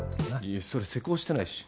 いやそれ施工してないし。